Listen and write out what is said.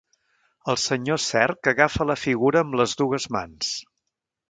El senyor Cerc agafa la figura amb les dues mans.